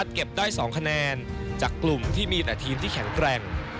เก็บได้๒คะแนนจากกลุ่มที่มีแต่ทีมที่แข็งแกร่ง